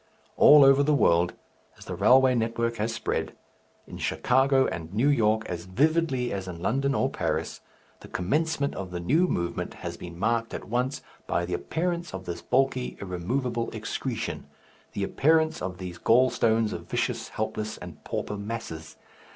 All over the world, as the railway network has spread, in Chicago and New York as vividly as in London or Paris, the commencement of the new movement has been marked at once by the appearance of this bulky irremovable excretion, the appearance of these gall stones of vicious, helpless, and pauper masses.